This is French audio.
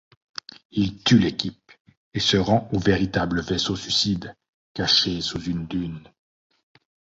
Il tue l'équipe, et se rend au véritable vaisseau suicide, caché sous une dune.